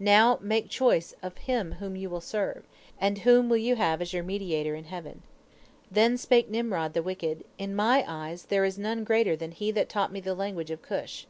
Now, make choice of him whom you will serve, and whom will you have as your mediator in heaven?' Then spake Nimrod the wicked, 'In my eyes there is none greater than he that taught me the language of Cush.'